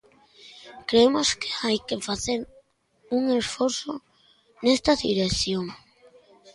Cremos que hai que facer un esforzo nesta dirección.